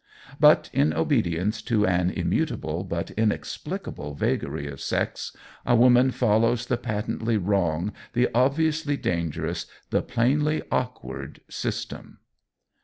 But in obedience to an immutable but inexplicable vagary of sex, a woman follows the patently wrong, the obviously dangerous, the plainly awkward system.